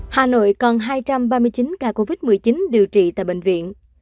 hà nội còn hai trăm ba mươi chín ca covid một mươi chín điều trị tại bệnh viện